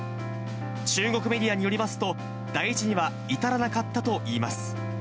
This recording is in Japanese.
中国メディアによりますと、大事には至らなかったといいます。